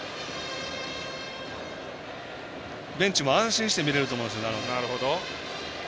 ベンチも安心して見れると思うんです。